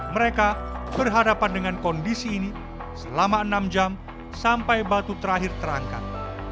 mereka berhadapan dengan kondisi ini selama enam jam sampai batu terakhir terangkat